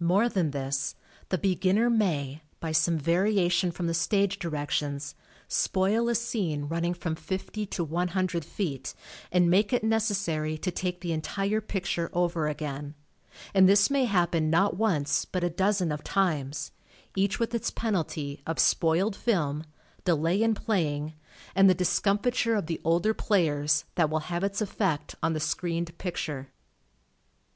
More than this, the beginner may, by some variation from the stage directions, spoil a scene running from fifty to one hundred feet and make it necessary to take the entire picture over again, and this may happen not once but a dozen of times, each with its penalty of spoiled film, delay in playing and the discomfiture of the older players, that will have its effect on the screened picture.